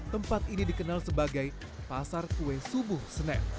tempat ini dikenal sebagai pasar kue subuh senen